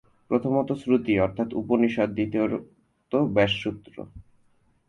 প্রথমত শ্রুতি অর্থাৎ উপনিষদ্, দ্বিতীয়ত ব্যাসসূত্র।